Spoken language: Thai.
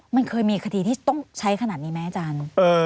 มันเคยมีคดีที่ต้องใช้ขนาดนี้ไหมอาจารย์